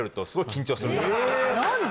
何で？